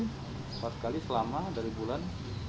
empat kali selama dari bulan